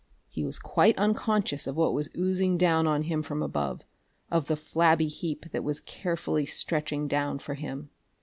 He was quite unconscious of what was oozing down on him from above, of the flabby heap that was carefully stretching down for him.